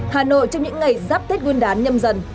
hà nội trong những ngày dắp tết vươn đán nhâm dần